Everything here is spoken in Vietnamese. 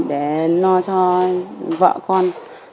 để lo cho vợ con